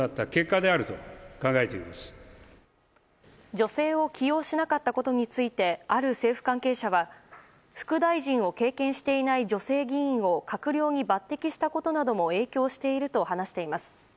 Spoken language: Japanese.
女性を起用しなかったことについてある政府関係者は、副大臣を経験していない女性議員を閣僚に抜擢したことなども影響していると話しています。